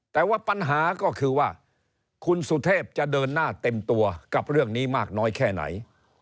แต่ว่าปัญหาก็คือว่าคุณสุเทพจะเดินหน้าเต็มตัวกับเรื่องนี้มากน้อยแค่ไหน